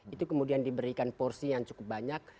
itu kemudian diberikan porsi yang cukup banyak